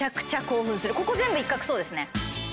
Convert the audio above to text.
ここ全部一角そうですね。